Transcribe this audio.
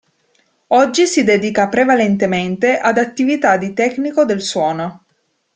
Oggi si dedica prevalentemente ad attività di tecnico del suono.